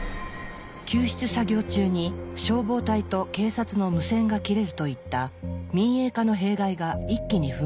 救出作業中に消防隊と警察の無線が切れるといった民営化の弊害が一気に噴出。